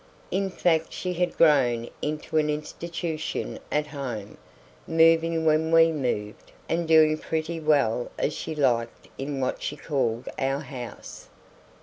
In fact she had grown into an institution at home, moving when we moved, and doing pretty well as she liked in what she called "our house."